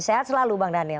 sehat selalu bang daniel